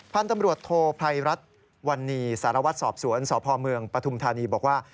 พันธุ์ตำรวจโทภัยรัฐวันนี้สารวัตรสอบสวนสพเมืองปฐุมธานีบอกว่า